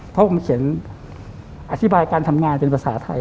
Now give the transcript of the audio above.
เพราะผมเขียนอธิบายการทำงานเป็นภาษาไทย